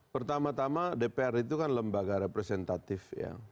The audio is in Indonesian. pertama tama dpr itu kan lembaga representatif ya